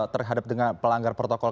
terhadap dengan pelanggar protokol